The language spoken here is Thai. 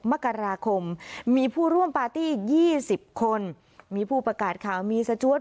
มกราคมมีผู้ร่วมปาร์ตี้ยี่สิบคนมีผู้ประกาศข่าวมีสจวด